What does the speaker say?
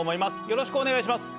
よろしくお願いします。